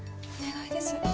お願いです。